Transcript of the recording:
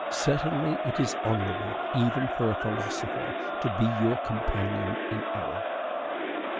Certainly it is honorable, even for a philosopher, to be your companion in error.